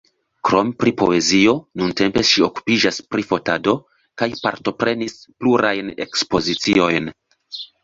Krom pri poezio, nuntempe ŝi okupiĝas pri fotado, kaj partoprenis plurajn ekspoziciojn.